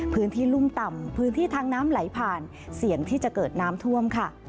พื้นที่รุ่มต่ำพื้นที่ทางน้ำไหลผ่านเสี่ยงที่จะเกิดน้ำท่วมค่ะ